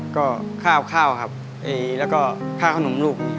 ก็ข้าวข้าวครับแล้วก็ค่าขนมลูก